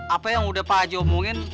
apa yang udah paji omongin